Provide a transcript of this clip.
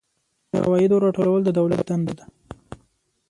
د عوایدو راټولول د دولت دنده ده